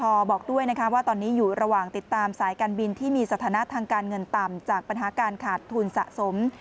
พอบอกด้วยนะคะว่าตอนนี้อยู่ระหว่างติดตามสายการบินที่มีสถานะทางการเงินต่ำจากปัญหาการขาดทุนสะสม